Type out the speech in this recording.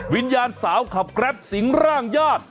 วิญญาณสาวขับแกรปสิงร่างญาติ